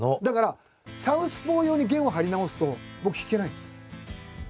だからサウスポー用に弦を張り直すと僕弾けないんですよ。